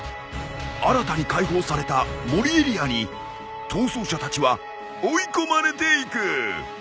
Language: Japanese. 新たに開放された森エリアに逃走者たちは追い込まれていく。